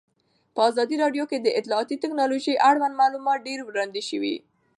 په ازادي راډیو کې د اطلاعاتی تکنالوژي اړوند معلومات ډېر وړاندې شوي.